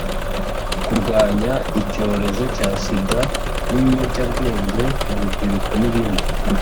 kurwanya icyorezo cya Sida n’ibiyobyabwenge mu rubyiruko n’ibindi